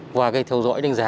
qua theo dõi đánh giá